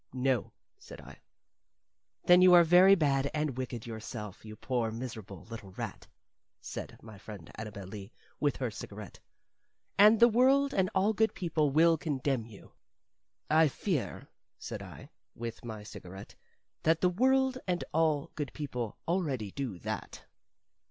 "No," said I. "Then you are very bad and wicked yourself, you poor, miserable, little rat," said my friend Annabel Lee, with her cigarette, "and the world and all good people will condemn you." "I fear," said I, with my cigarette, "that the world and all good people already do that."